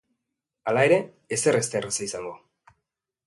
Hala ere, ezer ez da erraza izango.